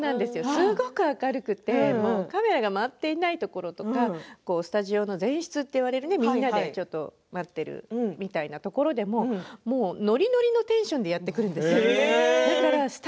すごい明るくてカメラが回っていないところとかスタジオの前室と言われるみんながちょっと待っているところでもノリノリのテンションでやって来るんですよ。